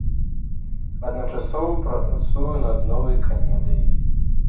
Адначасова працую над новай камедыяй.